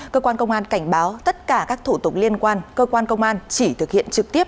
cơ quan công an cảnh báo tất cả các thủ tục liên quan cơ quan công an chỉ thực hiện trực tiếp